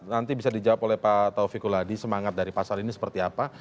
nanti bisa dijawab oleh pak taufikul hadi semangat dari pasal ini seperti apa